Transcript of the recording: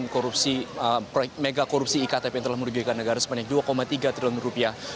dan korupsi mega korupsi iktap yang telah merugikan negara sebanyak dua tiga triliun rupiah